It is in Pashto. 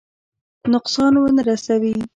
نقصان ونه رسوي.